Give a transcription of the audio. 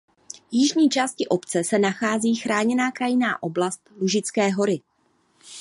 Jižní části obce se nachází Chráněná krajinná oblast Lužické hory.